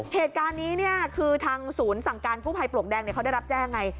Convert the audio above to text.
เราการนี้ทางศูนย์สั่งการกู้ภัยปลวกแดงถูกได้รับแจ้ม